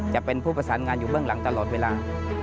จะเป็นผู้ประสานงานอยู่เบื้องหลังตลอดเวลา